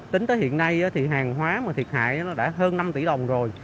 tính tới hiện nay thì hàng hóa mà thiệt hại đã hơn năm tỷ đồng rồi